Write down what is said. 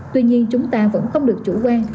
tuy nhiên chúng ta vẫn không được chủ quan